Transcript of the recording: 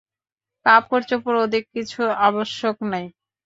কাপড়-চোপড় অধিক কিছু আবশ্যক নাই।